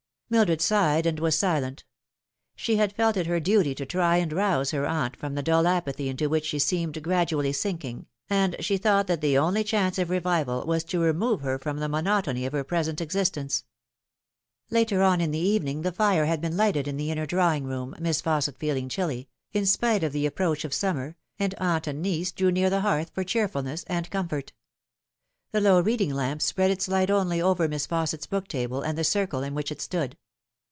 Mildred sighed and was silent. She had felt it her duty to try and rouse her aunt from the dull apathy into which she seemed gradually sinking, and she thought that the only chance of revival was to remove her from the monotony of her present existence. Later on in the evening the fire had been lighted in the inner drawing room, Miss Fausset feeling chilly, in spite of the approach of summer, and aunt and niece drew near the hearth for cheerfulness and comfort. The low reading lamp spread its light only over Miss Fausset's book table and the circle in which it stood.